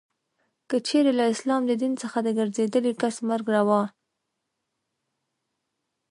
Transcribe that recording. که چیري له اسلام د دین څخه د ګرځېدلې کس مرګ روا.